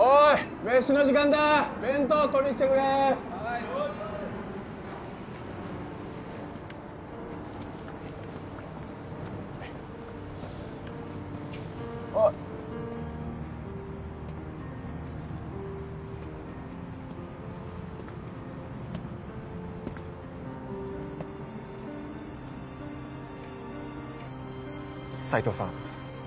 メシの時間だ弁当取りにきてくれはいお斎藤さん